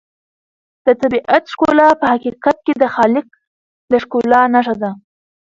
د طبیعت ښکلا په حقیقت کې د خالق د ښکلا نښه ده.